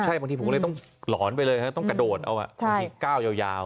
ใช่บางทีผมก็เลยต้องหลอนไปเลยต้องกระโดดเอาที่ก้าวยาว